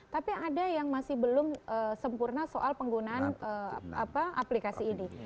tapi ada yang masih belum sempurna soal penggunaan aplikasi ini